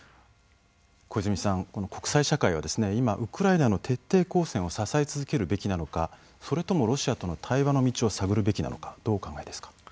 小泉さん、国際社会は今、ウクライナの徹底抗戦を支え続けるべきなのかそれともロシアとの対話の道を探るべきなのかどうお考えですか。